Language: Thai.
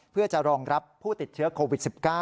เพื่อจะรองรับผู้ติดเชื้อโควิด๑๙